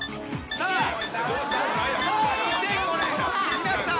皆さん。